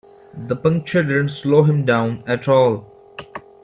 The puncture didn't slow him down at all.